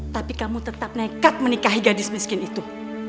tapi kamu tetap nekat menikahi gadis miskin itu